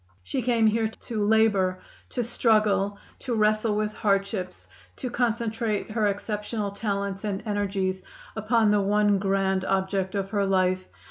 She came here to labor, to struggle, to wrestle with hardships, to concentrate her exceptional talents and energies upon the one grand object of her life.